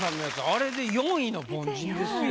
あれで４位の凡人ですよ。